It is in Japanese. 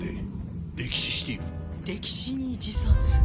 溺死に自殺。